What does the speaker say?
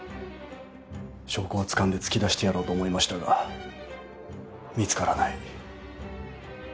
証拠をつかんで突き出してやろうと思いましたが見つからない。